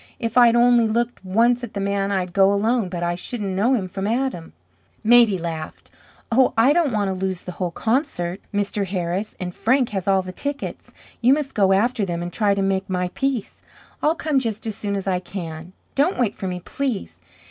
"If I'd only looked once at the man I'd go alone, but I shouldn't know him from Adam." Maidie laughed. "Oh, I don't want to lose the whole concert, Mr. Harris, and Frank, has all the tickets. You must go after them and try to make my peace. I'll come just as soon as I can. Don't wait for me, please.